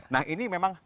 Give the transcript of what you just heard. nah ini memang